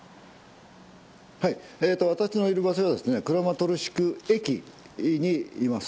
私のいる場所はクラマトルシク駅にいます。